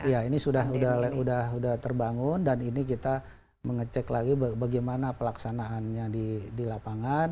ya ini sudah terbangun dan ini kita mengecek lagi bagaimana pelaksanaannya di lapangan